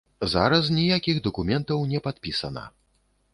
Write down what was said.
Зараз ніякіх дакументаў не падпісана.